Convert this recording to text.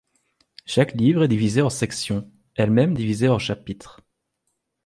Chaque livre est divisé en sections, elles-mêmes divisées en chapitres.